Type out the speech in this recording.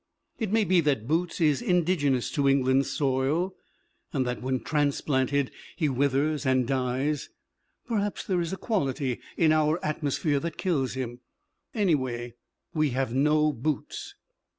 It may be that Boots is indigenous to England's soil, and that when transplanted he withers and dies; perhaps there is a quality in our atmosphere that kills him. Anyway, we have no Boots.